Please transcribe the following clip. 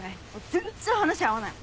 全然話合わない。